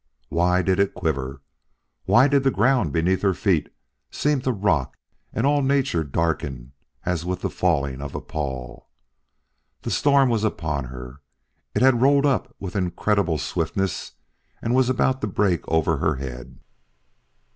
Why did it quiver? Why did the ground beneath her feet seem to rock and all nature darken as with the falling of a pall. The storm was upon her. It had rolled up with incredible swiftness and was about to break over her head.